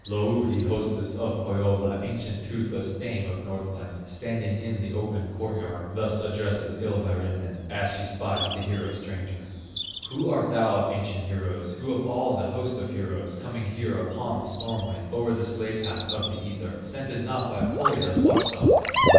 Louhi, hostess of Pohyola, Ancient, toothless dame of Northland, Standing in the open court yard, Thus addresses Ilmarinen, As she spies the hero stranger: "Who art thou of ancient heroes, Who of all the host of heroes, Coming here upon the storm wind, O'er the sledge path of the ether, Scented not by Pohya's watch dogs?"